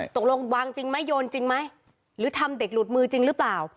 ตกลงวางจริงไหมโยนจริงไหมหรือทำเด็กหลุดมือจริงหรือเปล่า